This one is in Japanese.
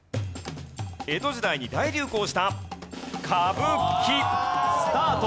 江戸時代に大流行した。スタート。